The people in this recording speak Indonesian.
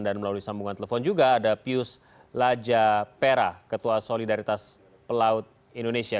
dan melalui sambungan telepon juga ada pius laja pera ketua solidaritas pelaut indonesia